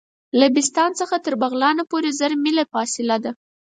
له بسطام څخه تر بغلان پوري زر میله فاصله ده.